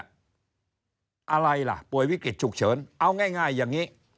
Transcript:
อะไรล่ะป่วยวิกฤตฉุกเฉินเอาง่ายอย่างนี้